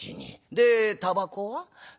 でたばこは？